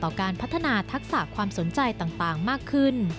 การพัฒนาทักษะความสนใจต่างมากขึ้น